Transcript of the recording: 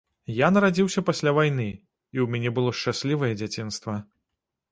Я нарадзіўся пасля вайны, і ў мяне было шчаслівае дзяцінства.